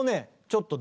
ちょっと